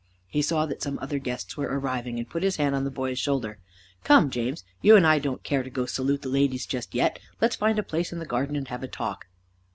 He saw that some other guests were arriving, and put his hand on the boy's shoulder. "Come, James. You and I don't care to go salute the ladies just yet. Let's find a place in the garden and have a talk."